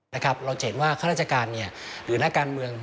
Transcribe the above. เราเจนว่าฮรัฐกรรมหรือหน้าการเมือง